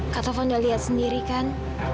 ketuhan udah lihat sendiri kan